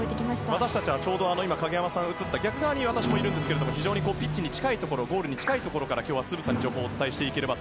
私たちはちょうど影山さんが映った逆側に私もいるんですが非常にピッチに近いところゴールに近いところからつぶさに情報をお伝えします。